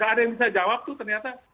tidak ada yang bisa jawab itu ternyata